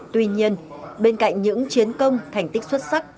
tuy nhiên bên cạnh những chiến công thành tích xuất sắc